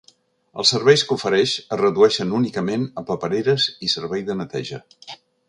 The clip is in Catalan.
Els serveis que ofereix es redueixen únicament a papereres i servei de neteja.